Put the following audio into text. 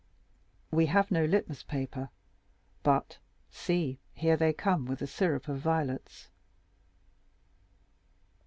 We have no litmus paper, but, see, here they come with the syrup of violets."